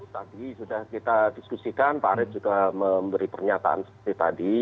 tadi sudah kita diskusikan pak arief juga memberi pernyataan seperti tadi